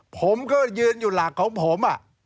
ผมก็ยืนอยู่หลักของผม